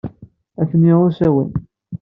Atni usawen.